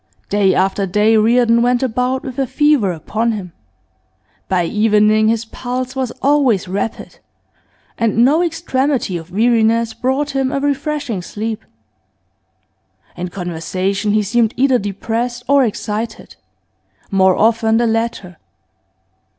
Day after day Reardon went about with a fever upon him. By evening his pulse was always rapid, and no extremity of weariness brought him a refreshing sleep. In conversation he seemed either depressed or excited, more often the latter.